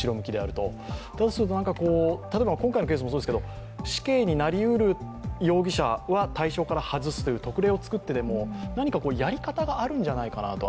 だとすると例えば今回のケースもそうですけど死刑になりうる容疑者は対象から外すという特例をつくってでもやり方があるんじゃないかなと。